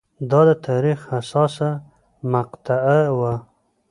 دا د تاریخ حساسه مقطعه وه.